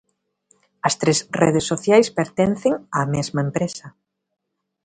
As tres redes sociais pertencen á mesma empresa.